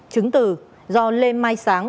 chứng tử do lê mai sáng